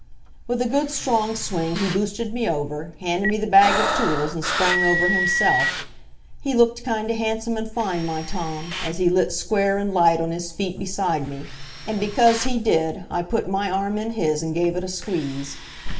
With a good, strong swing he boosted me over, handed me the bag of tools and sprang over himself.... He looked kind o' handsome and fine, my Tom, as he lit square and light on his feet beside me. And because he did, I put my arm in his and gave it a squeeze.